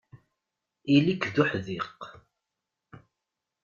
Ili-k d uḥdiq.